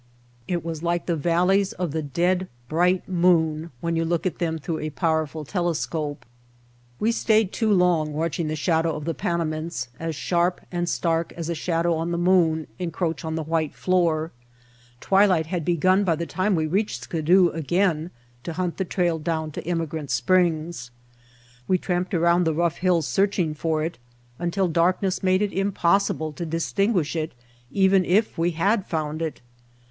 It was like the valleys on the dead, bright moon when you look at them through a powerful telescope. We stayed too long watching the shadow of the Panamints, as sharp and stark as a shadow on the moon, encroach on the white floor. Twi light had begun by the time we reached Skidoo again to hunt the trail down to Emigrant Springs. We tramped around the rough hills searching for it until darkness made it impos sible to distinguish it even if we had found it.